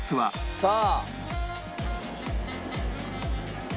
さあ。